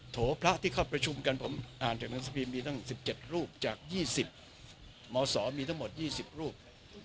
โถพระที่เข้าประชุมกันผมอ่านจากหนังสือพิมพ์มีตั้ง๑๗รูปจาก๒๐มศมีทั้งหมด๒๐รูป